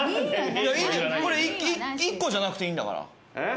１個じゃなくていいんだから。